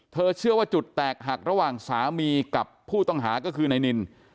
เชื่อว่าจุดแตกหักระหว่างสามีกับผู้ต้องหาก็คือนายนิน